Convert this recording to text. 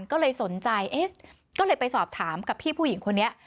ก็เลยสนใจเอ๊ะก็เลยไปสอบถามกับพี่ผู้หญิงคนนี้